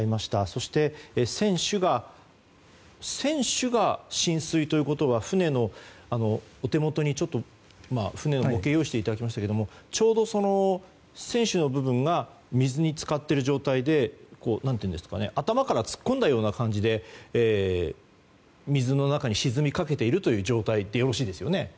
そして、船首が浸水ということはお手元に船の模型を用意していただきましたがちょうど船首の部分が水に浸かっている状態で頭から突っ込んだような感じで水の中に沈みかけている状態でよろしいですよね。